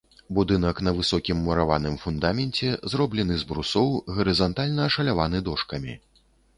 Будынак на высокім мураваным фундаменце, зроблены з брусоў, гарызантальна ашаляваны дошкамі.